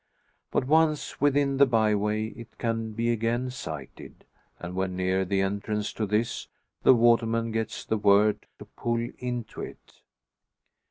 But once within the bye way it can be again sighted; and when near the entrance to this the waterman gets the word to pull into it.